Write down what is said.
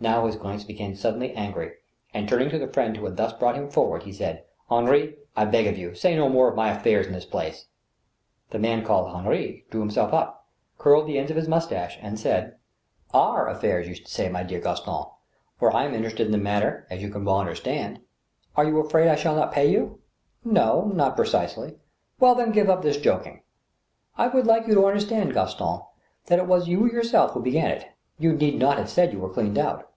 Now his glance became suddenly angry, and, turning to the friend who had thus brought him forward, he said: "Henri, I beg of you, say no more of my affairs in this place." The man called Henri drew himself up, curled the ends of his mustache, and said : A MIDNIGHT SUPPER. 29 ^ Our affairs you should say. my dear Gaston. For I am inter ested in the matter, as you can well understand." Are you afraid I shall not pay you ?"" No — ^not precisely." " Well, then, give up this joking." « I would like you to understand, Gaston, that it was you your self who began it. You need not have said you were cleaned out."